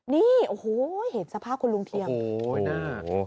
นี่โอ้โหเห็นสภาพคุณลุงเทียมโอ้โหโอ้โหโอ้โหโอ้โหโอ้โหโอ้โห